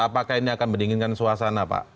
apakah ini akan mendinginkan suasana pak